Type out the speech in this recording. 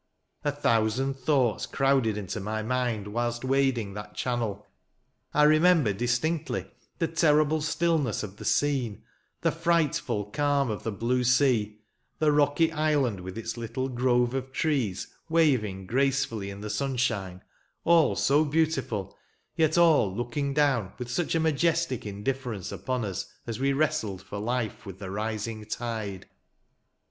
A thousand thoughts crowded into my mind whilst wading that channel. I remember distinctly the terrible stillness of the scene ; the frightful calm of the blue sky ; the rocky island, with its little grove of trees, waving gracefully in the sunshine — all so beautiful, yet all looking down with such a majestic indifference upon us, as we wrestled for life with the rising tide.